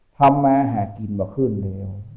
ทำมาหากินมาขึ้นแล้ว